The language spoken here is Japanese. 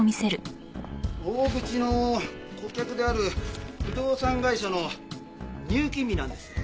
大口の顧客である不動産会社の入金日なんです。